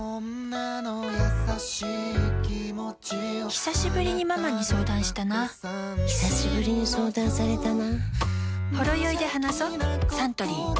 ひさしぶりにママに相談したなひさしぶりに相談されたな